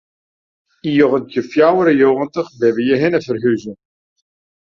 Yn njoggentjin fjouwer en njoggentich binne we hjirhinne ferhûze.